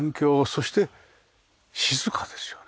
そして静かですよね。